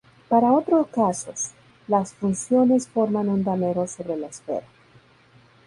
Para otro casos, las funciones forman un damero sobre la esfera.